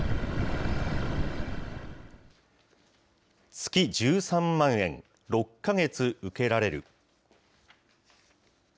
月１３万円６か月受けられる。